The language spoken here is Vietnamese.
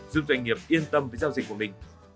giúp doanh nghiệp yên tâm với giao dịch của mình